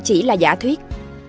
chỉ là giả thuyết